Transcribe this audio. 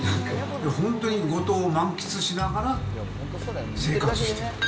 本当に五島を満喫しながら、生活してる。